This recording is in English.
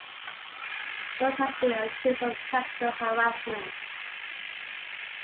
Nord has been accused of sexual harassment.